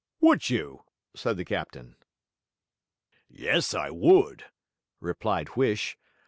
'Would you?' said the captain. 'Yes, I would,' replied Huish.